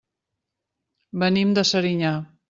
Venim de Serinyà.